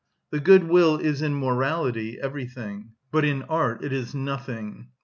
The good will is in morality everything; but in art it is nothing.